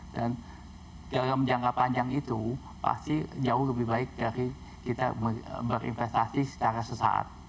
dalam jangka panjang itu pasti jauh lebih baik dari kita berinvestasi secara sesaat